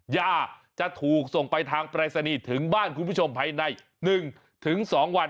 ยาจะถูกส่งไปทางปรายศนีย์ถึงบ้านคุณผู้ชมภายใน๑๒วัน